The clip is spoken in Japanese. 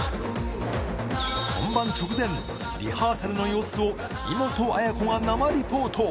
本番直前、リハーサルの様子を、イモトアヤコが生リポート。